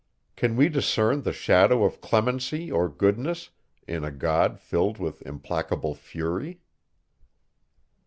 Can we discern the shadow of clemency or goodness, in a God filled with implacable fury?